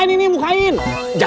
t chanting sudah kurang pendek